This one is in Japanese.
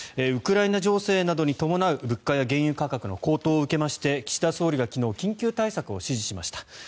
ウクライナ情勢などに伴う物価や原油価格の高騰を受けまして岸田総理が昨日緊急対策を指示しました。